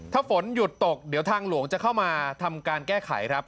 ถ้าฝนหยุดตกเดี๋ยวทางหลวงจะเข้ามาทำการแก้ไขครับ